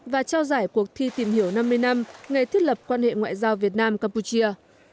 và trao giải cuộc thi tìm hiểu năm mươi năm ngày thiết lập quan hệ ngoại giao việt nam campuchia